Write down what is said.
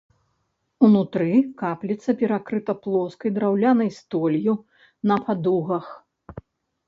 Унутры капліца перакрыта плоскай драўлянай столлю на падугах.